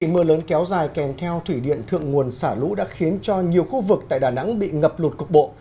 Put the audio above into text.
mưa lớn kéo dài kèm theo thủy điện thượng nguồn xả lũ đã khiến cho nhiều khu vực tại đà nẵng bị ngập lụt cục bộ